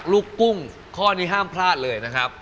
กุ้งข้อนี้ห้ามพลาดเลยนะครับ